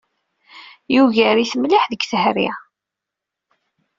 Yugar-it mliḥ deg tehri.